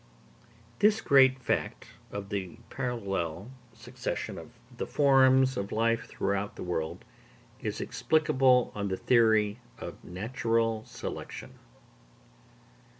This great fact of the parallel succession of the forms of life throughout the world, is explicable on the theory of natural selection.